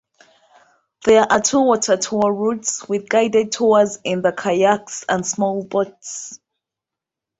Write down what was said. There are two water tour routes with guided tours in kayaks and small boats.